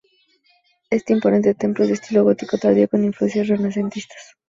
Este imponente templo es de estilo gótico tardío con influencias renacentistas.